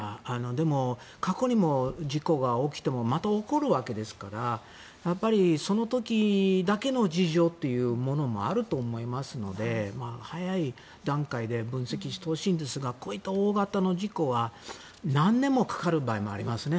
でも、過去にも事故が起きてもまた起こるわけですからその時だけの事情というものもあると思いますので早い段階で分析してほしいんですがこういった大型の事故は何年もかかる場合もありますね。